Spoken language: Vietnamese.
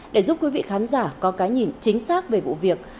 để giúp quý vị khán giả có cái nhìn chính xác về vụ việc